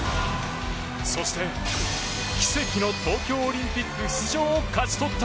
そして、奇跡の東京オリンピック出場を勝ち取った。